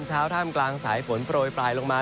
ท่ามกลางสายฝนโปรยปลายลงมา